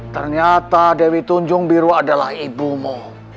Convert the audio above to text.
ternyata dewi tunjung biru adalah ibumu